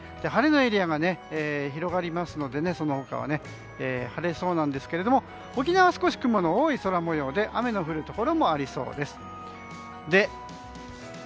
晴れのエリアが広がりますのでその他は晴れそうなんですけど沖縄は少し雲の多い空模様で雨の降るところもありそうです。